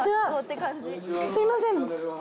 すいません。